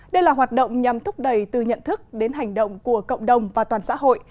đây là hoạt động nhằm thúc đẩy từ nhận thức đến hành động của cộng đồng và toàn xã hội